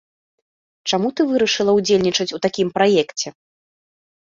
Чаму ты вырашыла ўдзельнічаць у такім праекце?